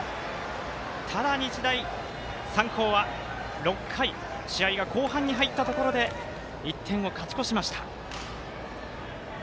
ただ、日大三高は６回試合は後半に入ったところで１点を勝ち越しました。